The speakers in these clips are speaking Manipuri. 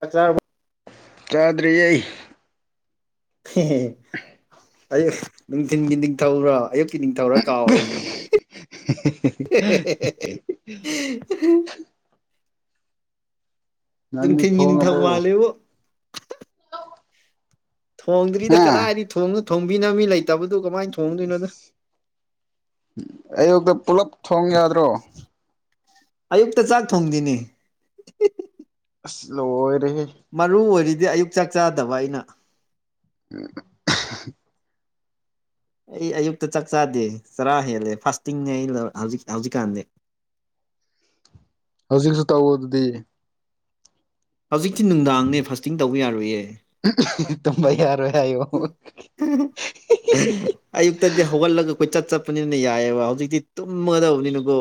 ꯆꯥꯛ ꯆꯥꯔꯕ ꯆꯥꯗꯔꯤ ꯋꯩ ꯑꯌꯨꯛ ꯅꯨꯡꯊꯤꯤꯟꯒꯤ ꯅꯤꯡꯊꯧ꯭ꯔꯣ ꯑꯌꯨꯛꯀꯤ ꯅꯤꯡꯊꯧ ꯇꯧꯔ ꯀꯥꯎꯔꯦꯅꯦ [unintelligible] ꯃꯤ ꯅꯪꯗꯤ ꯊꯅꯤ ꯊꯃ ꯊꯣꯡꯉꯕꯣ ꯃꯥꯂꯦꯕꯣ ꯊꯣꯡꯗ꯭ꯔꯤꯗ ꯍꯥ ꯀꯗꯥꯏꯗꯤ ꯊꯣꯡꯅ ꯊꯣꯡꯕꯤꯅꯕ ꯃꯤ ꯂꯩꯇꯕ ꯑꯗꯨ ꯀꯃꯥꯏꯅ ꯊꯣꯡꯗꯣꯏꯅꯣꯗ ꯑꯌꯨꯛꯇ ꯄꯨꯂꯞ ꯊꯣꯡ ꯌꯥꯗ꯭ꯔꯣ ꯑꯌꯨꯛꯇ ꯆꯥꯛ ꯊꯣꯡꯗꯅꯤ ꯂꯣ ꯃꯔꯨ ꯑꯣꯏꯔꯤꯗꯤ ꯑꯌꯨꯛ ꯆꯥꯛ ꯆꯥꯗꯕ ꯑꯩꯅ ꯎꯝ [unintelligible] ꯑꯩ ꯑꯌꯨꯛꯇ ꯆꯥꯛ ꯆꯥꯗꯦ ꯆꯔꯥ ꯍꯦꯜꯂꯦ ꯐꯥꯁꯇꯤꯡꯅꯦ ꯑꯩ ꯍꯧꯖꯤꯛ ꯍꯧꯖꯤꯛꯀꯥꯟꯗꯤ [inaudible] ꯍꯧꯖꯤꯛꯁꯨ ꯇꯧ ꯑꯗꯨꯗꯤ ꯍꯧꯖꯤꯛꯇꯤ ꯅꯨꯡꯗꯥꯡꯅꯦ ꯐꯥꯁꯇꯤꯡ ꯇꯧꯕ ꯌꯥꯔꯣꯏꯌꯦ ꯇꯨꯝꯃ ꯌꯥꯔꯣꯏ ꯍꯥꯏꯌꯣ ꯑꯌꯨꯛꯇꯗꯤ ꯍꯧꯒꯠꯂꯒ ꯑꯩꯈꯣꯏ ꯆꯠ ꯆꯠ ꯆꯄꯅꯤꯅ ꯌꯥꯏꯑꯦꯕ ꯍꯧꯖꯤꯛꯇꯤ ꯇꯨꯝꯃꯗꯕꯅꯤꯅꯀꯣ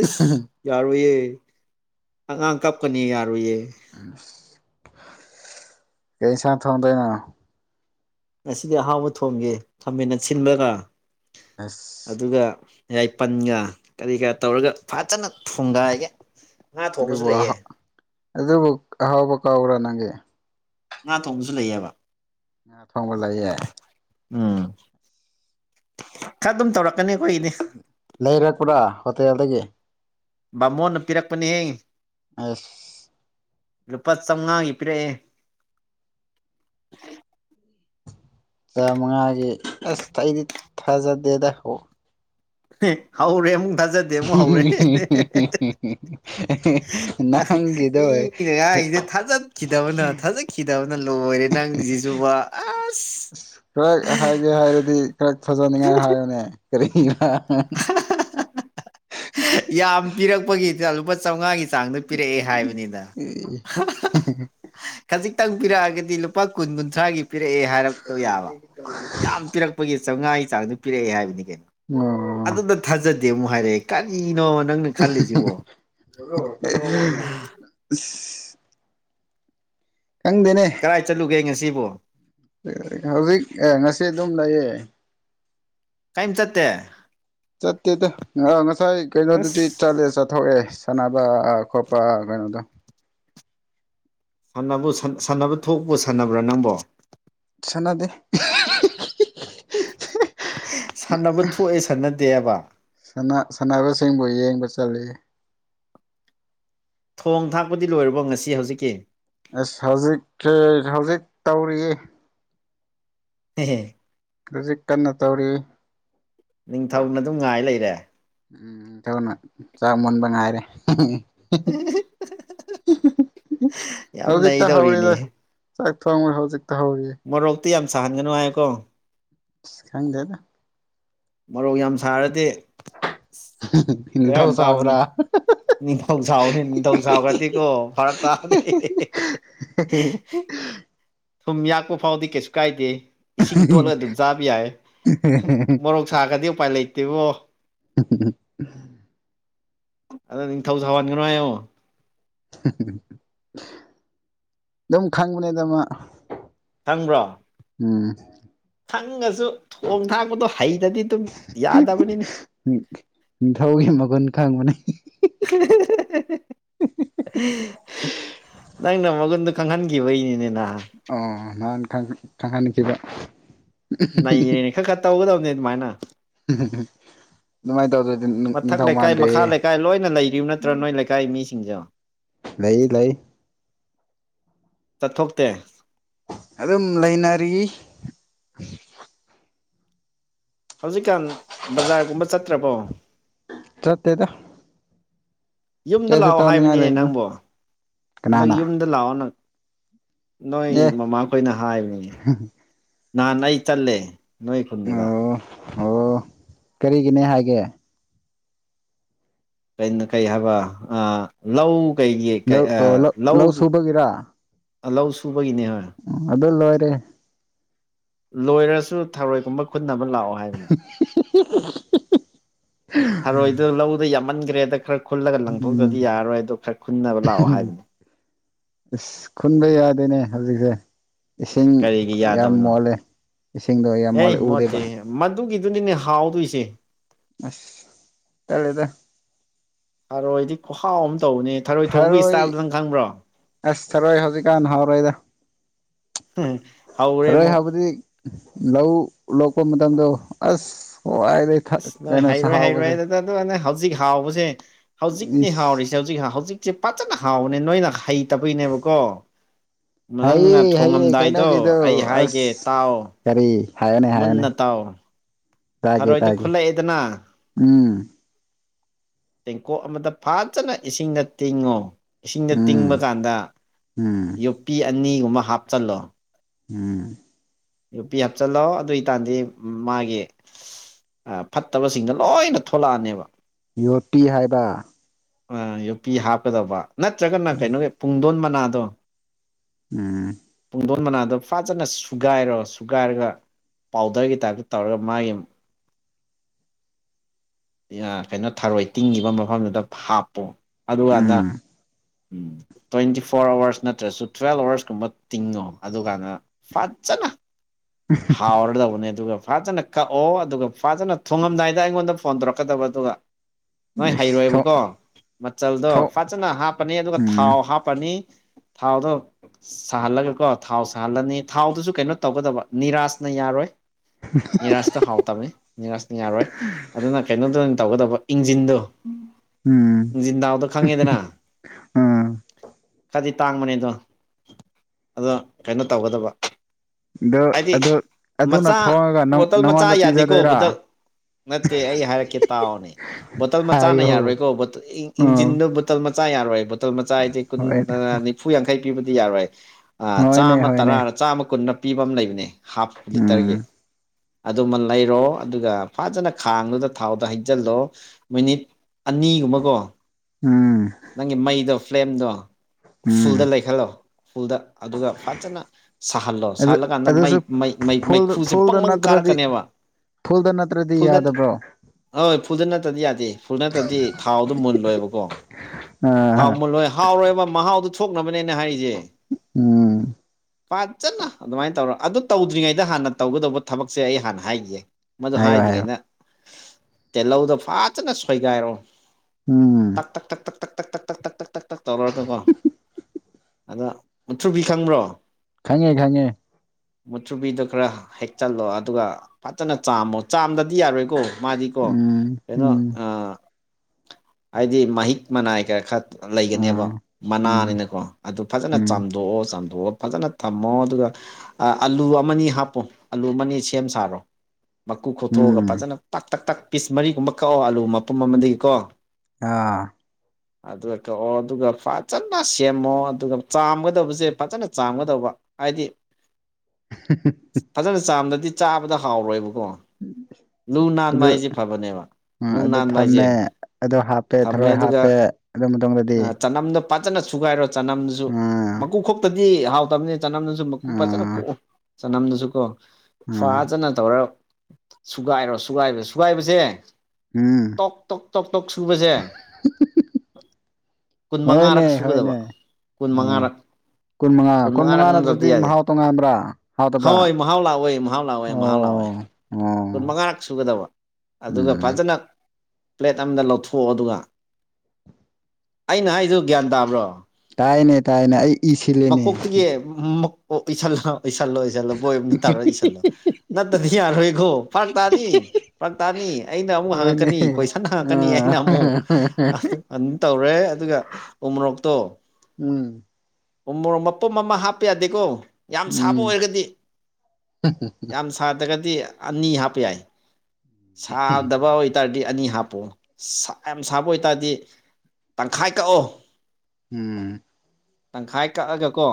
ꯑꯦꯁ ꯌꯥꯔꯣꯏꯌꯦ ꯑ ꯀꯞ ꯀꯅꯤ ꯌꯥꯔ ꯌꯦ ꯀꯩꯁ ꯊꯗꯅ ꯉꯁꯤꯗꯤ ꯑꯍꯥꯎꯕ ꯊꯣꯡꯒꯦ ꯈꯥꯃꯟꯅ ꯁꯤꯟꯕꯒ ꯑꯁ ꯑꯗꯨꯒ ꯌꯥꯏꯄꯟꯒ ꯀꯔꯤ ꯀꯔ ꯇꯧꯔꯒ ꯐꯖꯅ ꯊꯣꯡꯒꯥꯏꯒꯦ ꯉꯥ ꯊꯕꯁꯨ ꯑꯗꯨꯕꯨ ꯂꯩꯑ ꯑꯗꯨꯕꯨ ꯍꯥꯎꯕ ꯀꯥꯎ꯭ꯔꯥ ꯅꯩꯗꯤ ꯉꯥ ꯊꯣꯡꯕꯁꯨ ꯂꯩꯑꯕ ꯑ ꯊꯣꯡꯕ ꯂꯩꯌꯦ ꯎꯝ ꯈꯔ ꯑꯗꯨꯝ ꯇꯧꯔꯛꯀꯅꯤ ꯑꯩꯈꯣꯏꯒꯤꯅꯦ ꯂꯩꯔꯦ ꯀꯔ ꯍꯣꯇꯦꯜꯦꯜꯗꯒꯤ ꯕꯥꯃꯣꯟꯅ ꯄꯤꯔꯛꯄꯅꯦꯍꯌꯦ ꯑꯁ ꯂꯨꯄꯥ ꯆꯝꯉꯥꯡꯒꯤ ꯄꯔꯦ ꯆꯥꯃꯉꯥꯒꯤ ꯑꯁ ꯑꯩꯗꯤ ꯊꯥꯖꯗꯦꯗ ꯍ ꯍꯧꯔꯦꯝ ꯊꯥꯖꯗꯦ ꯑꯃꯨꯛ ꯍꯧꯔꯦ ꯅꯪꯒꯤꯗꯣ ꯏꯅꯉꯥꯏ ꯁꯦ ꯊꯥꯖꯠꯈꯤꯗꯕꯅ ꯊꯥꯖꯠꯈꯤꯗꯕꯅ ꯂꯣꯏꯔꯦ ꯅꯪꯁꯤꯁꯨꯕ ꯑꯁ ꯈꯔ ꯍꯥꯏꯒꯦ ꯍꯥꯏꯔꯗꯤ ꯈꯔ ꯐꯖꯅꯤꯡꯉꯥꯏ ꯍꯥꯏꯌꯅꯦ [unintelligible] ꯌꯥꯝ ꯄꯤꯔꯛꯄꯒꯤꯗ ꯂꯨꯄꯥ ꯆꯥꯃꯉꯥꯒꯤ ꯆꯥꯡꯗ ꯄꯤꯔꯛꯑꯦ ꯍꯥꯏꯕꯅꯤꯗ ꯈꯖꯤꯛꯇꯪ ꯄꯤꯔꯛꯑꯒꯗꯤ ꯂꯨꯄꯥ ꯀꯨꯟ ꯀꯨꯟꯊ꯭ꯔꯥꯒꯤ ꯄꯤꯔꯛꯑꯦ ꯍꯥꯏꯔꯛꯇꯧ ꯌꯥꯕ ꯌꯥꯝ ꯄꯤꯔꯛꯄꯒꯤ ꯆꯥꯝꯃꯉꯥꯒꯤ ꯆꯥꯡꯗꯨ ꯄꯤꯔꯛꯑꯦ ꯍꯥꯏꯕꯅꯤ ꯑꯗꯨꯗ ꯊꯥꯖꯗꯦ ꯑꯃꯨꯛ ꯍꯥꯏꯔꯛꯑꯦ ꯀ [inaudible] ꯈꯪꯗꯦꯅꯦ ꯀꯔꯥꯏ ꯆꯠꯂꯨꯒꯦ ꯉꯁꯤꯕꯣ ꯍꯧꯖꯤꯛ ꯉꯁꯤ ꯑꯗꯨꯝ ꯂꯩꯌꯦ ꯀꯩꯝ ꯆꯠꯇꯦ ꯆꯠꯇꯦꯗ ꯉꯁꯥꯏ ꯀꯩꯅꯣꯗꯗꯤ ꯆꯠꯂꯦ ꯑꯁ ꯆꯠꯊꯣꯛꯑꯦ ꯁꯥꯟꯅꯕ ꯈꯣꯠꯄ ꯀꯩꯅꯣꯗꯣ ꯁꯥꯟꯅꯕ ꯊꯣꯛꯄ ꯁꯥꯟꯅꯕ꯭ꯔꯥ ꯅꯪꯕꯣ ꯁꯥꯟꯅꯗꯦ ꯁꯥꯟꯅꯕ ꯊꯣꯛꯑꯦ ꯁꯥꯟꯅꯗꯦꯕ ꯆꯁꯤꯡꯕꯨ ꯌꯦꯡꯕ ꯆꯠ ꯊꯣꯡ ꯊꯥꯛꯄꯗꯤ ꯂꯣꯏꯔꯕꯣ ꯉꯁꯤ ꯍꯧꯖꯤꯛꯀꯤ ꯑꯁ ꯍꯧꯖꯤꯛꯦ ꯍꯧꯖꯤꯛ ꯇꯧꯔꯤꯌꯦ ꯍꯝ ꯍꯧꯖꯤꯛ ꯀꯟꯅ ꯇꯧꯔꯤ ꯅꯤꯡꯊꯧꯅ ꯑꯗꯨꯝ ꯉꯥꯏ ꯂꯩꯔꯦ ꯎꯝ ꯏ ꯊꯧꯅ ꯆꯥꯛ ꯃꯨꯟꯕ ꯉꯥꯏꯔꯦ ꯎꯝ ꯍꯧꯖꯤꯛꯇ ꯅꯩꯗꯧꯔꯤꯅꯦ ꯍꯧꯥꯎꯔꯤꯗ ꯆꯥꯛ ꯊꯣꯡꯉ ꯍꯧꯖꯤꯛꯇ ꯍꯧꯥꯎꯔꯤ ꯃꯣꯔꯣꯛꯇꯤ ꯌꯥꯝ ꯁꯥꯍꯟꯒꯅꯨ ꯍꯥꯏꯀꯣ ꯈꯪꯗꯦꯗ ꯃꯔꯣꯛ ꯌꯥꯝ ꯁꯥꯔꯗꯤ ꯏ ꯕꯦꯔꯥ ꯊꯥꯎ ꯌꯥꯝ ꯀꯥꯕꯅꯤ ꯆꯕ꯭ꯔꯥ ꯅꯤꯡꯊꯧ ꯁꯥꯎꯅꯤ ꯅꯤꯡꯊꯧ ꯁꯥꯎꯒꯗꯤꯀꯣ ꯐꯔꯛ ꯇꯥꯗꯦ [unintelligible] ꯁꯨꯝ ꯌꯥꯛꯄ ꯐꯥꯎꯗꯤ ꯀꯩꯁꯨ ꯀꯥꯏꯗꯦ ꯏꯁꯤꯡ ꯇꯣꯠꯂꯒ ꯑꯗꯨꯝ ꯆꯥꯕ ꯌꯥꯏ ꯃꯣꯔꯣꯛ ꯁꯥꯒꯗꯤ ꯎꯄꯥꯏ ꯂꯩꯇꯦꯕꯣ ꯎꯝ ꯑꯗ ꯅꯤꯡꯊꯧ ꯁꯍꯟꯒꯅꯨ ꯍꯥꯏꯌꯣ ꯑꯗꯨꯝ ꯈꯪꯕꯅꯦꯗ ꯃꯥ ꯈꯪꯕ꯭ꯔꯣ ꯎꯝ ꯈꯪꯉꯁꯨ ꯊꯣꯡ ꯊꯥꯡꯕꯗꯣ ꯍꯩꯗꯗꯤ ꯑꯗꯨꯝ ꯌꯥꯗꯕꯅꯤꯅꯤ ꯅꯤꯡꯊꯧꯒꯤ ꯃꯒꯨꯟ ꯈꯪꯕꯅꯦ ꯅꯪꯅ ꯃꯒꯨꯟꯗꯣ ꯈꯪꯍꯟꯈꯤꯕꯩꯅꯤꯅꯦ ꯅꯍꯥꯟ ꯑꯣ ꯅꯥꯟ ꯈꯪꯉꯅꯤꯁꯤꯕ ꯅꯩꯅꯦ ꯈꯔ ꯈꯔ ꯇꯧꯒꯗꯕꯅꯤ ꯑꯗꯨꯃꯥꯏꯅ ꯑꯗꯨꯃꯥꯏꯅ ꯇꯧꯗ꯭ꯔꯗꯤ ꯃꯊꯛ ꯅꯤꯡꯊꯧ ꯂꯩꯀꯥꯏ ꯃꯥꯟꯗ꯭ꯔꯦ ꯃꯈꯥ ꯂꯩꯀꯥꯏ ꯂꯣꯏꯅ ꯂꯩꯔꯤꯕꯨ ꯅꯠꯇ꯭ꯔꯥ ꯅꯣꯏ ꯂꯩꯀꯥꯏ ꯃꯤꯁꯤꯡꯗꯣ ꯂꯩ ꯂꯩ ꯆꯠꯊꯣꯛꯇꯦ ꯑꯗꯨꯝ ꯂꯩꯅꯔꯤ ꯍꯧꯖꯤꯛꯀꯥꯟ ꯕꯖꯥꯔꯒꯨꯝꯕ ꯆꯠꯇ꯭ꯔꯕꯣ ꯆꯠꯇꯦꯗ ꯌꯨꯝꯗ ꯀꯩꯁꯨ ꯂꯥꯛꯑꯣ ꯇꯧꯅꯤꯡꯉꯥꯏ ꯍꯥꯏꯕꯅꯤꯅꯦ ꯂꯩꯗꯅ ꯅꯪꯕꯨꯣ ꯍꯟꯗꯛ ꯀꯅꯥꯅ ꯌꯨꯝꯗ ꯂꯥꯛꯑꯣ ꯅꯪ ꯅꯣꯏ ꯑꯦ ꯃꯃꯥꯈꯣꯏꯅ ꯍꯥꯏꯕꯅꯦ ꯅꯍꯥꯟ ꯑꯩ ꯆꯠꯂꯦ ꯅꯣꯏ ꯈꯨꯟꯗꯨꯗ ꯑꯣ ꯑꯣ ꯀꯔꯤꯒꯤꯅꯦ ꯍꯥꯏꯒꯦ ꯀꯩꯅꯣ ꯀꯩ ꯍꯥꯏꯕ ꯂꯧ ꯀꯩꯒꯤ ꯂꯧ ꯂꯧ ꯂꯧ ꯁꯨꯕꯒꯤꯅꯦ ꯍꯣꯏ [unintelligible] ꯂꯣꯏꯔꯁꯨ ꯊꯔꯣꯏꯒꯨꯝꯕꯠ ꯊꯔꯣꯏꯗꯣ ꯂꯧꯕꯗꯤ ꯌꯝꯃꯟꯒꯔꯦ ꯂꯧꯕ ꯂꯥꯑꯣ ꯍꯥꯏ ꯇꯔꯦꯗ ꯈꯔ ꯈꯨꯜꯂꯒ ꯎꯝ ꯂꯪꯊꯣꯛꯇ꯭ꯔꯗꯤ ꯌꯥꯔꯔꯣꯏ ꯑꯗꯣ ꯈꯔ ꯈꯨꯟꯅꯕ ꯂꯥꯛꯑꯣ ꯍꯥꯏꯕꯅꯦ ꯑꯁ ꯈꯨꯟꯗ ꯌꯥꯗꯦꯅꯦ ꯍꯧꯖꯤꯛꯁꯦ ꯏꯁꯤꯡ ꯀꯔꯤꯒꯤ ꯌꯥꯝ ꯌꯥꯗꯕꯅꯣ ꯃꯣꯠꯂꯦ ꯏꯁꯤꯡꯗꯣ ꯌꯥꯝ ꯍꯩ ꯃꯣꯠꯂꯦ ꯎꯗꯦꯕ ꯃꯣꯠꯇꯦ ꯑꯗꯨꯒꯤꯗꯨꯅꯤꯅꯦ ꯍꯥꯎꯗꯣꯏꯁꯦ ꯑꯁ ꯇꯜꯂꯦꯗ ꯑ ꯏꯗꯤ ꯀꯍꯥ ꯑꯣ ꯇꯅꯦ ꯊꯔꯣꯏ ꯊꯣꯡꯕ ꯏꯁꯇꯥꯜꯗꯣ ꯈꯪꯕ꯭ꯔꯣ ꯑꯁ ꯊꯔꯣꯏ ꯍꯧꯖꯤꯛꯀꯥꯟ ꯍꯥꯎꯔꯣꯏꯗ ꯍꯧꯎꯔꯦ ꯊꯔꯣꯏ ꯃꯨꯛ ꯍꯥꯎꯕꯗꯤ ꯂꯧ ꯂꯣꯛꯄ ꯃꯇꯝꯗꯣ ꯑꯁ ꯑꯣ ꯑꯩꯗꯩ ꯑꯁ ꯅꯣꯏ ꯀꯩꯅꯣ ꯁ ꯍꯩꯔꯣꯏ ꯍꯩꯔꯣꯏ ꯍꯥꯎꯕꯁꯦ ꯑꯗꯨꯗ ꯑꯗꯨ ꯅꯣꯏ ꯍꯧꯖꯤꯛ ꯍꯥꯎꯕꯁꯦ ꯍꯧꯖꯤꯛꯤ ꯏꯁ ꯍꯥꯎꯔꯤꯁꯦ ꯍꯧꯖꯤꯛ ꯍꯧꯖꯤꯛ ꯖꯤꯛ ꯐꯖꯅ ꯍꯥꯎꯅꯦ ꯅꯣꯏꯅ ꯍꯩꯇꯕꯩꯅꯦꯕꯀꯣ ꯅꯪꯅ ꯍꯩꯌꯦ ꯍꯩꯌꯦ ꯊꯣꯡꯉꯝꯗꯥꯏꯗꯣ ꯀꯩꯅꯣꯒꯤꯗꯣ ꯑꯩ ꯍꯥꯏꯒꯦ ꯑꯁ ꯇꯥꯎ ꯀꯔꯤ ꯍꯥꯏꯌꯣꯅꯦ ꯍꯥꯏꯌꯣꯅꯦ ꯃꯟꯅ ꯇꯥꯎ ꯇꯥꯒꯦ ꯊꯔꯣꯏꯗꯨ ꯇꯥꯒꯦ ꯈꯨꯜꯠꯂꯛꯑꯦꯗꯅ ꯎꯝ ꯇꯦꯡꯀꯣꯛ ꯑꯃꯗ ꯐꯖꯅ ꯏꯁꯤꯡꯅ ꯇꯤꯡꯉꯨ ꯏꯁꯤꯡꯗ ꯇꯤꯡꯕ ꯎꯝ ꯀꯥꯟꯗ ꯎꯝ ꯌꯣꯠꯄꯤ ꯑꯅꯤꯒꯨꯝꯕ ꯍꯥꯞꯆꯜꯂꯣ ꯎꯝ ꯅꯨꯄꯤ ꯍꯥꯞꯆꯤꯜꯂꯣ ꯑꯗꯨꯏꯇꯥꯗꯤ ꯃꯥꯒꯤ ꯐꯠꯇꯕꯁꯤꯡꯗ ꯂꯣꯏꯅ ꯊꯣꯛꯂꯛꯑꯅꯦꯕ ꯌꯣꯄꯤꯤ ꯍꯥꯏꯕ ꯌꯣꯄꯤ ꯍꯥꯞꯀꯗꯧꯕ ꯅꯠꯇ꯭ꯔꯒꯅ ꯀꯩꯅꯣꯒꯤ ꯄꯨꯡꯗꯣꯟ ꯃꯅꯥꯗꯣ ꯎꯝ ꯣꯟ ꯃꯅꯥꯗ ꯐꯖꯅ ꯁꯨꯒꯥꯏꯔꯣ ꯁꯨꯒꯥꯏꯔꯒ ꯄꯥꯎꯗꯔꯒꯤ ꯇꯥꯏꯞꯇ ꯇꯧꯔꯒ ꯃꯥꯒꯤ ꯀꯩꯅꯣ ꯊꯔꯣꯏ ꯇꯤꯡꯉꯤꯈꯤꯕ ꯃꯐꯝꯗꯨꯗ ꯍꯥꯞꯄꯣ ꯑꯗꯨꯀꯥꯟꯗ ꯎꯝ ꯎꯝ ꯇ꯭ꯋꯦꯟꯇꯤ ꯐꯣꯔ ꯑꯋꯥꯔꯁ ꯅꯠꯇ꯭ꯔꯁꯨ ꯇꯨꯋꯦꯜ ꯑꯋꯥꯔꯁꯀꯨꯝꯕ ꯇꯤꯡꯉꯣ ꯑꯗꯨꯀꯥꯟꯗ ꯐ ꯍꯥꯎ ꯑꯣꯔꯗꯥꯧꯕꯅꯦ ꯇꯒ ꯐꯖꯅ ꯀꯛꯑꯣ ꯑꯗꯨꯒ ꯐꯖꯅ ꯊꯨꯡꯉꯝꯗꯥꯏꯗ ꯑꯩꯉꯣꯟꯗ ꯐꯣꯟ ꯇꯧꯔꯛꯀꯗꯕ ꯑꯗꯨꯒ ꯅꯣꯏ ꯏꯁ ꯊꯣꯛ ꯍꯩꯔꯣꯏꯕꯀꯣ ꯃꯆꯜꯗꯣ ꯊꯣꯛ ꯐꯖꯅ ꯍꯥꯞꯄꯅꯤ ꯑꯗꯨꯒ ꯎꯝ ꯊꯥꯎ ꯍꯥꯞꯄꯅꯤ ꯊꯥꯎꯗꯣ ꯁꯥꯍꯜꯂꯒ ꯀꯣ ꯊꯥꯎ ꯁꯥꯍꯜꯂꯅꯤ ꯊꯥꯎꯗꯨꯁꯨ ꯀꯩꯅꯣ ꯇꯧꯒꯗꯕ ꯅꯤꯔꯥꯥꯁꯅ ꯌꯥꯔꯣꯏ ꯅꯤꯔꯥꯥꯁꯇ ꯍꯥꯎꯇꯕꯃꯤ ꯅꯤꯔꯥꯖꯅ ꯌꯥꯔꯣꯏ ꯑꯗꯨꯅ ꯀꯩꯅꯣꯗ ꯇꯧꯒꯗꯕ ꯏꯟꯖꯤꯟꯗꯣ ꯎꯝ ꯏꯟꯖꯤꯟ ꯗꯥꯎꯗꯣ ꯈꯪꯉꯦꯗꯅ ꯎꯝ ꯈꯔꯗꯤ ꯇꯥꯡꯕꯅꯦꯗꯣ ꯑꯗꯣ ꯀꯩꯅꯣ ꯇꯧꯒꯗꯕ ꯑꯗꯣ ꯍꯥꯏꯗꯤ ꯑꯗꯨ ꯑꯗꯨꯅ ꯃꯆꯥ ꯊꯣꯡꯉꯒ ꯅꯪ ꯕꯣꯇꯜ ꯃꯆꯥ ꯅꯪꯉꯣꯟꯗ ꯌꯥꯗꯦꯀꯣ ꯄꯤꯖꯗꯣꯏꯔꯥ ꯕꯇꯜ ꯅꯠꯇꯦ ꯑꯩ ꯍꯥꯏꯔꯛꯀꯦ ꯇꯥꯎꯑꯣꯅꯦ ꯕꯣꯇꯜ ꯃꯆꯥꯅ ꯍꯥꯏꯌꯣ ꯌꯥꯔꯣꯏꯀꯣ ꯕꯣꯇ ꯑꯣ ꯏꯟꯖꯤꯟꯗꯣ ꯕꯣꯇꯜ ꯆꯥ ꯌꯥꯔꯣꯏ ꯕꯣꯇꯜ ꯃꯆꯥ ꯍꯥꯏꯗꯤ ꯀꯨꯟ ꯍꯣꯏꯅꯦ ꯅꯤꯐꯨ ꯌꯥꯡꯈꯩ ꯄꯤꯕꯗꯤ ꯌꯥꯔꯣꯏ ꯍꯣꯏꯅꯦ ꯆꯥꯃ ꯍꯣꯏꯅꯦ ꯇꯔꯥ ꯆꯥꯝꯃ ꯀꯨꯟꯗ ꯄꯤꯕ ꯑꯃ ꯂꯩꯕꯅꯦ ꯍꯥꯐ ꯂꯤꯇꯔꯒꯤ ꯎꯝ ꯑꯗꯨꯃ ꯂꯩꯔꯣ ꯑꯗꯨꯒ ꯐꯖꯅ ꯈꯥꯡꯗꯨꯗ ꯊꯥꯎꯗ ꯍꯩꯖꯤꯜꯂꯣ ꯃꯤꯅꯤꯠ ꯑꯅꯤꯒꯨꯝꯕꯀꯣ ꯎꯝ ꯅꯪꯒꯤ ꯃꯩꯗꯣ ꯐ꯭ꯂꯦꯝꯗꯣ ꯎꯝ ꯐꯨꯜꯗ ꯂꯩ ꯈꯜꯂꯣ ꯐꯨꯜꯗ ꯑꯗꯨꯒ ꯐꯖꯅ ꯁꯥꯍꯜꯂꯣ ꯑꯗꯨ ꯁꯥꯍꯜꯂ ꯀꯥꯟꯗ ꯑꯗꯨꯁꯨ ꯃꯩꯩꯩ ꯐꯨꯜ ꯃꯩꯈꯨꯁꯦ ꯐꯨꯜꯗ ꯄꯪꯃꯪ ꯀꯥꯔꯛ ꯅꯠꯇ꯭ꯔꯗꯤ ꯀꯅꯦꯕ ꯐꯨꯜꯗ ꯅꯠꯇ꯭ꯔꯗꯤ ꯐꯨꯜ ꯌꯥꯗꯕ꯭ꯔꯣ ꯍꯣꯏ ꯐꯨꯜꯗ ꯅꯠꯇꯗꯤ ꯌꯥꯗꯦ ꯐꯨꯜ ꯅꯠꯇ꯭ꯔꯗꯤ ꯊꯥꯎꯗꯝ ꯃꯨꯜꯂꯣꯏꯕ ꯀꯣ ꯑꯥ ꯍꯥꯎꯃꯜꯂꯣꯏ ꯍꯥꯎꯔꯣꯏꯕ ꯃꯍꯥꯎꯗꯨꯣ ꯊꯣꯛꯅꯕꯅꯦꯅ ꯍꯥꯏꯔꯤꯁꯦ ꯎꯝ ꯄꯖꯅ ꯑꯗꯨꯃꯥꯏꯅ ꯇꯧꯔ ꯑꯗꯨ ꯇꯧꯗ꯭ꯔꯤꯉꯩꯗ ꯍꯥꯟꯅ ꯇꯧꯒꯗꯧꯕ ꯊꯕꯛꯁꯦ ꯑꯩ ꯍꯥꯟꯅ ꯍꯥꯏꯒꯤꯒꯦ ꯃꯗꯨ ꯍꯥꯏꯌꯣ ꯍꯥꯏꯌꯣ ꯍꯥꯏꯗ꯭ꯔꯤꯉꯩꯩꯅ ꯇꯦꯜꯂꯧꯗꯣ ꯐꯖꯅ ꯁꯣꯏꯒꯥꯏꯔꯣ ꯎꯝ ꯇꯛ ꯇꯛ ꯇꯛ ꯇꯛ ꯇꯛ ꯇꯛ ꯇꯛ ꯇꯛ ꯇꯛ ꯇꯛ ꯇꯧꯔꯒꯀꯣ ꯑꯗ ꯃꯨꯊ꯭ꯔꯨꯕꯤ ꯈꯪꯕ꯭ꯔꯣ ꯈꯪꯉꯦ ꯈꯪꯉꯦ ꯃꯨꯊꯨꯕꯤꯗꯨ ꯈꯔ ꯍꯦꯛꯆꯜꯂꯣ ꯑꯗꯨꯒ ꯐꯖꯅ ꯆꯥꯝꯃꯨ ꯆꯥꯝꯗ ꯗꯤ ꯌꯥꯔꯣꯏꯀꯣ ꯃꯥꯗꯤꯀꯣ ꯎꯝ ꯀꯩꯅꯣ ꯎꯝ ꯑ ꯍꯥꯏꯗꯤ ꯃꯍꯤꯛ ꯃꯅꯥꯏ ꯀ ꯈ ꯂꯩꯒꯅꯦꯕ ꯑꯥ ꯎꯝ ꯃꯅꯥꯅꯤꯅꯀꯣ ꯑꯗꯨ ꯐꯖꯅ ꯎꯝ ꯆꯥꯝꯊꯣꯛꯑꯣꯝ ꯑꯗꯨꯒ ꯐꯖꯅ ꯊꯝꯃꯣ ꯑꯗꯨꯒ ꯑꯂꯨ ꯑꯃꯅꯤ ꯍꯥꯞꯄꯣ ꯑꯂꯨ ꯑꯃꯅꯤ ꯁꯦꯝ ꯁꯥꯔꯣ ꯃꯀꯨ ꯈꯣꯠꯇꯣꯛꯑꯒ ꯎꯝ ꯐꯖꯅ ꯇꯛ ꯇꯛ ꯇꯛ ꯄꯤꯁ ꯃꯔꯤꯒꯨꯝꯕ ꯀꯛꯑꯣ ꯑꯂꯨ ꯃꯄꯨꯝ ꯑꯃꯗꯒꯤꯀꯣ ꯑꯥ ꯑꯗꯨꯒ ꯀꯛꯑꯣ ꯑꯗꯨꯒ ꯐꯖꯅ ꯁꯦꯝꯃꯣ ꯑꯗꯨꯒ ꯆꯥꯝꯒꯗꯕꯁꯦ ꯐꯖꯅ ꯆꯥꯝꯒꯗꯧꯕ ꯍꯥꯏꯗꯤ ꯐꯖꯅ ꯆꯥꯝꯗꯗꯤ ꯆꯥꯕꯗ ꯍꯥꯎꯔꯣꯏꯕ ꯀꯣ ꯂꯨ ꯅꯥꯟꯕ ꯑꯗꯨ ꯍꯥꯏꯁꯦ ꯐꯕꯅꯦꯕ ꯑꯥ ꯂꯨ ꯑꯗꯨ ꯅꯥꯟꯕ ꯍꯥꯏꯁꯦ ꯊꯝꯃꯦ ꯑꯗꯨ ꯍꯥꯞꯄꯦ ꯊꯝꯃꯦ ꯊꯔꯣꯏ ꯑꯗꯨꯒ ꯍꯥꯞꯄꯦ ꯑꯗꯨ ꯃꯇꯨꯡꯗꯗꯤ ꯆꯅꯝꯗ ꯐꯖꯅ ꯁꯨꯒꯥꯏꯔꯣ ꯆꯅꯝꯗꯨꯁꯨ ꯑꯥ ꯃꯀꯨ ꯈꯣꯛꯇꯗꯤ ꯍꯥꯎꯇꯝ ꯅꯤ ꯆꯅꯝꯅꯁꯨ ꯃꯀꯨ ꯐꯖꯅ ꯑꯥ ꯈꯣꯛꯎ ꯆꯅꯝꯅꯁꯨ ꯀꯣ ꯑꯥ ꯐꯖꯅ ꯇꯧꯔ ꯁꯨꯒꯥꯏꯔꯣ ꯁꯨꯒꯥꯏꯕ ꯁꯨꯒꯥꯏꯕꯁꯦ ꯎꯝ ꯇꯣꯛ ꯇꯣꯛ ꯇꯣꯛ ꯇꯣꯛ ꯁꯦ ꯀꯨꯟ ꯍꯣꯏꯅꯦ ꯃꯉꯥꯔꯛ ꯍꯣꯏꯅꯦ ꯁꯨꯒꯗꯕ ꯀꯨꯟ ꯑꯣ ꯃꯉꯥꯔꯛ ꯃꯉꯥ ꯀꯨꯟ ꯃꯉꯥꯔꯛ ꯃꯉꯥ ꯉꯗꯗꯤ ꯅꯠꯇ꯭ꯔꯗꯤ ꯌꯥꯗꯦ ꯃꯍꯥꯎ ꯇꯣꯉꯥꯟꯕ꯭ꯔꯥ ꯍꯥꯎꯇꯕ꯭ꯔꯥ ꯍꯣꯏꯣꯏ ꯃꯍꯥꯎ ꯂꯥꯛꯑꯣꯏ ꯃꯍꯥꯎ ꯂꯥꯛꯑꯣꯏ ꯃꯍꯥꯎ ꯂꯥꯛꯑꯣꯏ ꯍꯣꯏ ꯑꯣ ꯑꯣ ꯀꯨꯟ ꯃꯉꯥꯔꯛ ꯁꯨꯒꯗꯕ ꯑꯗꯨꯒ ꯎꯝ ꯐꯖꯅ ꯄ꯭ꯂꯦꯠ ꯑꯃꯗ ꯂꯧꯊꯣꯛꯑꯣ ꯑꯗꯨꯒ ꯑꯩꯅ ꯍꯥꯏꯗ ꯒ꯭ꯌꯥꯟ ꯇꯥꯕ꯭ꯔꯣ ꯇꯥꯏꯅꯦ ꯇꯥꯏꯅ ꯑꯩ ꯏ ꯁꯤꯜꯂꯦꯅꯦ ꯃꯀꯣꯛꯇꯒꯤ ꯏꯁꯜꯅ ꯑꯣꯏꯁꯜꯂꯣ ꯏꯁꯜꯂꯣ ꯕꯣꯏ ꯑꯃꯝꯅ ꯇꯥꯔꯣ ꯏꯁꯜꯂꯣ ꯅꯠꯇꯗꯤ ꯌꯥꯔꯣꯏꯈꯣ ꯐꯔꯛ ꯇꯥꯅꯤ ꯐꯔꯛ ꯇꯥꯅꯤ ꯑꯩꯅ ꯑꯃꯨꯛ ꯍꯣꯏꯅꯦ ꯍꯪꯉꯛꯀꯅꯤ ꯀꯣꯏꯁꯟ ꯑ ꯍꯪꯉꯛꯀꯅꯤ ꯑꯩꯅ ꯑꯃꯨꯛ ꯑꯗꯨꯝ ꯇꯧꯔꯦ ꯑꯗꯨꯒ ꯎꯃ꯭ꯔꯣꯛꯛꯇꯣ ꯎꯝ ꯎ ꯃꯄꯨꯝ ꯑꯃ ꯍꯥꯞꯄ ꯌꯥꯗꯦꯀꯣ ꯌꯥꯝ ꯁꯥꯕ ꯎꯝ ꯑꯣꯏꯔꯒꯗꯤ ꯌꯥꯝ ꯁꯥꯗ꯭ꯔꯒꯗꯤ ꯑꯅꯤ ꯍꯥꯞꯄ ꯌꯥꯏ ꯁꯥꯗꯕ ꯑꯣꯏꯇꯥꯔꯗꯤ ꯑꯅꯤ ꯍꯥꯞꯄꯣ ꯌꯥꯝ ꯁꯥꯕ ꯑꯣꯏꯇꯥꯔꯗꯤ ꯇꯪꯈꯥꯏ ꯀꯛꯑꯣ ꯎꯝ ꯇꯪꯈꯥꯏ ꯀꯛꯑꯒ ꯀꯣ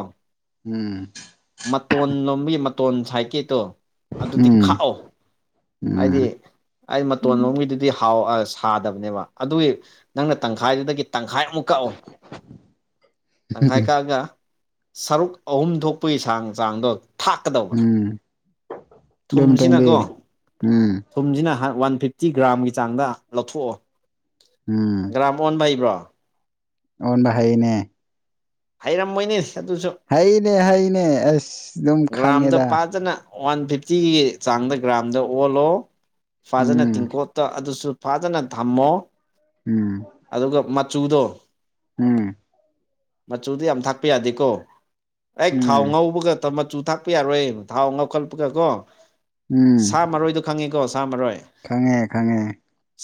ꯎꯝ ꯃꯇꯣꯟ ꯂꯣꯝꯒꯤ ꯃꯇꯣꯟ ꯁꯥꯏꯀꯦꯠꯇꯣ ꯑꯗꯨꯗꯤ ꯈꯥꯛꯑꯣ ꯎꯝ ꯍꯥꯏꯗꯤ ꯎꯝ ꯑꯩ ꯃꯇꯣꯟ ꯂꯣꯝꯒꯤꯗꯨꯗꯤ ꯍꯥꯎ ꯁꯥꯗꯕꯅꯦꯕ ꯑꯗꯨꯒꯤ ꯅꯪꯅ ꯇꯪꯈꯥꯏꯗꯨꯗꯒꯤ ꯇꯪꯈꯥꯏꯃꯨꯛ ꯀꯛꯑꯣ ꯇꯪꯈꯥꯏ ꯀꯛꯑꯒ ꯁꯔꯨꯛ ꯑꯍꯨꯝ ꯊꯣꯛꯄꯒꯤ ꯆꯥꯡ ꯆꯥꯡꯗꯣ ꯊꯥꯛꯀꯗꯧꯕ ꯎꯝ ꯑꯗꯨ ꯃꯇꯨꯡꯗꯤ ꯊꯨꯝꯁꯤꯅꯀꯣ ꯎꯝ ꯊꯨꯝꯁꯤꯅ ꯋꯥꯟ ꯐꯤꯐꯇꯤ ꯒ꯭ꯔꯥꯝꯒꯤ ꯆꯥꯡꯗ ꯂꯧꯊꯣꯛꯑꯣ ꯒ꯭ꯔꯥꯝ ꯑꯣꯟꯕ ꯍꯩꯕ꯭ꯔꯣ ꯑꯣꯟꯗꯥ ꯍꯩꯅꯦ ꯍꯥꯏꯩꯔꯝꯃꯣꯏꯅꯤ ꯍꯩꯅꯦ ꯍꯩꯅꯦ ꯑꯁ ꯑꯗꯨꯝ ꯒ꯭ꯔꯥꯝꯗ ꯈꯪꯉꯦꯗ ꯐꯖꯅ ꯋꯥꯟ ꯐꯤꯐꯇꯤꯒꯤ ꯆꯥꯡꯗ ꯒ꯭ꯔꯥꯝꯗ ꯑꯣꯜꯂꯣ ꯐꯖꯅ ꯎꯝ ꯇꯤꯡꯀꯣꯇ ꯑꯗꯨꯁꯨ ꯐꯖꯅ ꯊꯝꯃꯣ ꯎꯝ ꯑꯗꯨꯒ ꯃꯆꯨꯗꯣ ꯎꯝ ꯃꯆꯨꯗꯤ ꯌꯥꯝ ꯊꯥꯛꯄ ꯌꯥꯗꯦꯀꯣ ꯑꯩ ꯊꯥꯎ ꯎꯝ ꯉꯧꯕꯒ ꯃꯇꯝ ꯃꯆꯨ ꯊꯥꯛꯄ ꯌꯥꯔꯣꯏ ꯊꯥꯎ ꯉꯥꯎꯈꯠꯄꯒ ꯀꯣ ꯎꯝ ꯁꯥ ꯃꯔꯣꯏꯗꯣ ꯈꯪꯉꯤꯀꯣ ꯁꯥ ꯃꯔꯣꯏ ꯈꯪꯉꯦ ꯈꯪꯉꯦ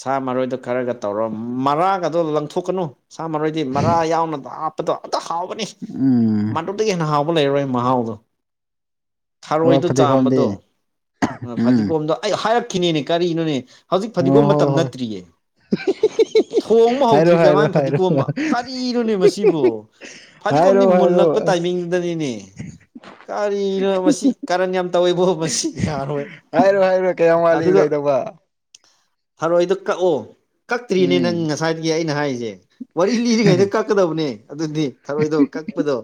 ꯁꯥ ꯃꯔꯣꯏꯗꯣ ꯈꯔꯒ ꯇꯧꯔꯣ ꯃꯔꯥꯒꯗꯣ ꯂꯪꯊꯣꯛꯀꯅꯨ ꯁꯥ ꯃꯔꯣꯏꯗꯤ ꯃꯔꯥ ꯌꯥꯎꯅ ꯍꯥꯞ ꯑꯣ ꯑꯇ ꯍꯥꯎꯕꯅꯤ ꯎꯝ ꯃꯗꯨꯇꯗꯒꯤ ꯍꯦꯟꯅ ꯍꯥꯎꯕ ꯂꯩꯔꯣꯏ ꯃꯍꯥꯎꯗꯣ ꯑꯣ ꯊꯔꯣꯏꯗꯣ ꯐꯗꯤꯒꯣꯝꯗꯤ ꯆꯥꯝꯕꯗꯣ ꯎꯝ ꯐꯗꯤꯒꯣꯝꯗꯣ ꯑꯩ ꯍꯥꯏꯔꯛꯈꯤꯅꯤꯅꯦ ꯀꯔꯤꯅꯣꯅꯦ ꯍꯧꯖꯤꯛ ꯑꯣ ꯐꯗꯤꯒꯣꯝ ꯃꯇꯝ ꯍꯣ ꯍꯣꯏ ꯅꯠꯇ꯭ꯔꯤꯌꯦ ꯊꯣꯡꯕ ꯍꯧꯗ꯭ꯔꯤ ꯍꯥꯏꯔꯣ ꯍꯥꯏꯔꯣ ꯀꯔꯝꯍꯥꯏꯅ ꯍꯥꯏꯔꯣ ꯐꯗꯤꯒꯣꯝꯝꯕ ꯀꯔꯤꯅꯣꯅꯦ ꯃꯁꯤꯕꯨ ꯐꯗꯤꯒꯣꯝꯗꯤ ꯍꯥꯏꯔꯣ ꯍꯥꯏꯔꯣ ꯃꯨꯜꯂꯛꯄ ꯑꯁ ꯇꯥꯏꯃꯤꯡꯗꯨꯗꯅꯤꯅꯦ ꯀꯔꯤꯅꯣ ꯃꯁꯤ ꯀꯔꯟ ꯌꯥꯝ ꯇꯧꯋꯦꯕꯣ ꯃꯁꯤ ꯌꯥꯔꯣꯏ ꯍꯥꯏꯔꯣ ꯍꯥꯏꯔꯣ ꯀꯌꯥꯝ ꯋꯥꯂꯤ ꯂꯣꯏꯗꯧꯕ ꯍꯔꯣꯏꯗꯨ ꯀꯛꯑꯣ ꯀꯛꯇ꯭ꯔꯤꯅꯦ ꯅꯪ ꯎꯝ ꯉꯁꯥꯏꯗꯒꯤ ꯑꯩꯅ ꯍꯥꯏꯔꯤꯁꯦ ꯋꯥꯔꯤ ꯂꯤꯔꯤꯉꯩꯗ ꯀꯛꯀꯗꯕꯅꯦ ꯑꯗꯨꯅꯤ ꯊꯔꯣꯏꯗꯣ ꯀꯛꯄꯗꯣ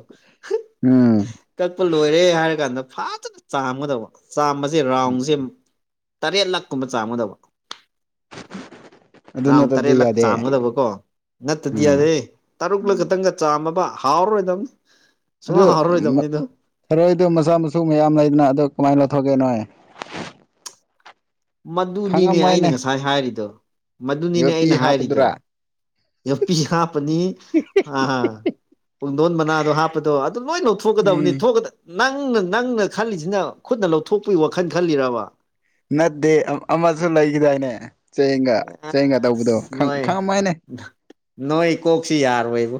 ꯎꯝ ꯀꯛꯄ ꯂꯣꯏꯔꯦ ꯍꯥꯏꯔꯒ ꯍꯥꯏ ꯀꯥꯟꯗ ꯐꯖꯅ ꯆꯥꯝꯒꯗꯧꯕ ꯆꯥꯝꯝꯕꯁꯦ ꯔꯥꯎꯟꯁꯦ ꯇꯔꯦꯠ ꯂꯥꯛꯀꯨꯝꯕ ꯆꯥꯝꯃꯗꯕ ꯑꯗꯨ ꯔꯥꯎ ꯇꯔꯦꯠ ꯅꯠꯇ꯭ꯔꯗꯤ ꯂꯥꯛ ꯌꯥꯗꯦ ꯆꯥꯝꯒꯗꯕꯀꯣ ꯅꯠꯇꯗꯤ ꯎꯝ ꯌꯥꯗꯦ ꯇꯔꯨꯛꯂ ꯈꯛꯇꯪꯒ ꯆꯥꯝꯃꯕ ꯍꯥꯎꯔꯔꯣꯏꯗꯕꯅꯤ ꯁꯨꯃꯥꯡ ꯍꯥꯎꯔꯔꯣꯏꯗꯕꯅꯤꯗꯣ ꯊꯦꯔꯣꯏꯗꯣ ꯃꯆꯥ ꯃꯁꯨ ꯃꯌꯥꯝ ꯂꯩꯗꯅ ꯑꯗꯣ ꯀꯃꯥꯏꯅ ꯂꯧꯊꯣꯛꯀꯦꯅꯣ ꯃꯗꯨꯅꯤꯅꯦ ꯑꯩꯅ ꯉꯁꯥꯏ ꯍꯥꯏꯔꯤꯗꯣ ꯃꯗꯨꯅꯤꯅꯦ ꯑꯩꯅ ꯌꯣꯄꯤ ꯍꯥꯏꯔꯤꯗꯣ ꯍꯥꯞꯄꯗꯨꯔꯥ ꯌꯄꯤꯤ ꯍꯥꯄꯅꯤ ꯑ ꯄꯨꯡꯗꯣꯟ ꯃꯅꯥꯗꯣ ꯍꯥꯞꯄꯗꯣ ꯑꯗꯨ ꯂꯣꯏꯅꯃꯛ ꯊꯣꯛꯀꯗꯕꯅꯤ ꯎꯝ ꯅꯪꯅ ꯅꯪꯅ ꯈꯜꯂꯤꯁꯤꯅ ꯈꯨꯠꯅ ꯂꯧꯊꯣꯛꯄꯒꯤ ꯋꯥꯈꯜ ꯈꯜꯂꯤꯔꯕ ꯅꯠꯇꯦ ꯑꯃꯁꯨ ꯂꯩꯈꯤꯗꯏꯅꯦ ꯆꯌꯦꯒ ꯆꯌꯦꯦꯡꯒ ꯇꯧꯕꯗꯣ ꯑꯁ ꯅꯣꯏ ꯈꯪꯉꯝꯃ ꯍꯥꯏꯅꯦ ꯅꯣꯏ ꯀꯣꯛꯁꯤ ꯌꯥꯔꯣꯏꯕꯨ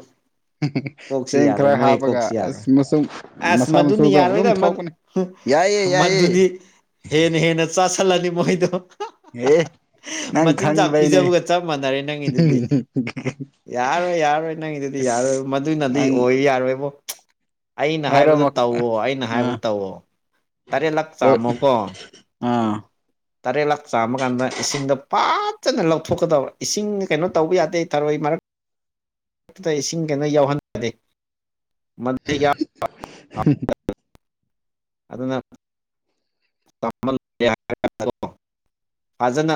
ꯀꯣꯛꯁꯤ ꯌꯥꯔꯣꯏ ꯅꯣꯏ ꯀꯣꯛꯁꯤ ꯌꯥꯔꯣꯏ ꯑꯁ ꯃꯆꯨꯝ ꯑꯁ ꯃꯁꯥ ꯃꯗꯨꯅꯤ ꯃꯆꯨꯗꯣ ꯑꯗꯨꯝ ꯌꯥꯔꯣꯏꯗ ꯊꯣꯛꯄꯅꯦ ꯌꯥꯏꯌꯦ ꯌꯥꯏꯌꯦ ꯃꯗꯨꯗꯤ ꯍꯦꯟꯅ ꯍꯦꯟꯅ ꯆꯥꯁꯜꯂꯅꯤ ꯃꯣꯏꯗꯣ ꯑꯦ ꯅꯪ ꯃꯆꯤꯟꯖꯥꯛ ꯈꯪꯗꯕꯏꯅꯦ ꯄꯤꯖꯕꯒ ꯆꯞ ꯃꯥꯟꯅꯔꯦ ꯅꯪꯒꯤꯗꯨꯗꯤ ꯌꯥꯔꯣꯏ ꯌꯥꯔꯔꯣꯏ ꯅꯪꯒꯤꯗꯨꯗꯤ ꯌꯥꯔꯣꯏ ꯃꯗꯨꯅꯗꯤ ꯅꯪ ꯑꯣꯏ ꯌꯥꯔꯣꯏꯕꯣ ꯑꯩꯅ ꯍꯥꯏꯔꯣ ꯍꯥꯏꯕꯗ ꯇꯧꯋꯣ ꯑꯩꯅ ꯍꯥꯏꯕꯗ ꯑꯥ ꯇꯧꯋꯣ ꯇꯔꯦꯠ ꯂꯥꯛ ꯆꯥꯝꯃꯣꯀꯣ ꯑ ꯇꯔꯦꯠ ꯂꯥꯛ ꯆꯥꯝꯃ ꯀꯥꯟꯗ ꯏꯁꯤꯡꯗꯣ ꯐꯖꯅ ꯂꯧꯊꯣꯛꯀꯗꯕ ꯏꯁꯤꯡ ꯀꯩꯅꯣ ꯇꯧꯕ ꯌꯥꯗꯦ ꯊꯔꯣꯏ ꯃꯔꯛ ꯃꯛꯇꯗ ꯏꯁꯤꯡ ꯀꯩꯅꯣ ꯌꯥꯎꯍꯟꯗꯦ ꯃ ꯌꯥ ꯑꯗꯨꯅ ꯐꯖꯅ